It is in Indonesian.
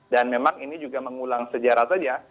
dan memang ini juga mengulang sejarah saja